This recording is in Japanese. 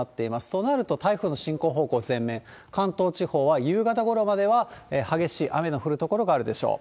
となると、台風の進行方向前面、関東地方は夕方ごろまでは、激しい雨の降る所があるでしょう。